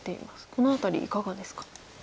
この辺りいかがですか？